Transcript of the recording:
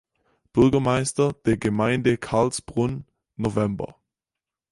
Bürgermeister der Gemeinde Karlsbrunn, Nov.